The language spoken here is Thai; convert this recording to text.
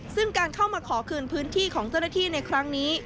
ซึ่งการเข้ามาขอคืนพื้นที่ของเจ้าหน้าที่ในครั้งนี้